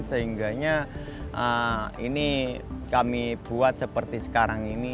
sehingganya ini kami buat seperti sekarang ini